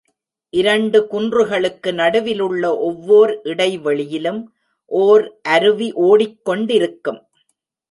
இரண்டு குன்றுகளுக்கு நடுவிலுள்ள ஒவ்வோர் இடை வெளியிலும் ஓர் அருவி ஓடிக்கொண்டிருக்கும்.